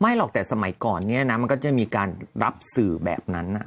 หรอกแต่สมัยก่อนเนี่ยนะมันก็จะมีการรับสื่อแบบนั้น